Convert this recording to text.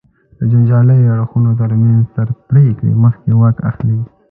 د جنجالي اړخونو تر منځ تر پرېکړې مخکې واک اخلي.